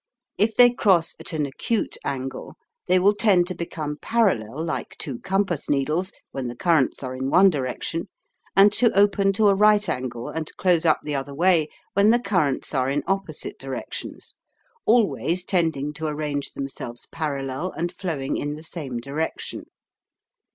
If they cross at an acute angle, they will tend to become parallel like two compass needles, when the currents are in one direction, and to open to a right angle and close up the other way when the currents are in opposite directions, always tending to arrange themselves parallel and flowing in the same direction.